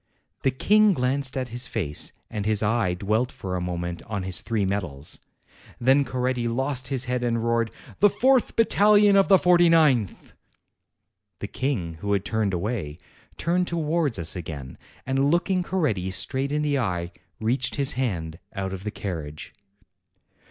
The King glanced at his face, and his eye dwelt for a moment on his three medals. Then Coretti lost his head, and roared, The fourth battalion of the forty ninth!" The King, who had turned away, turned towards 210 APRIL us again, and looking Coretti straight in the eye, reached his hand out of the carriage.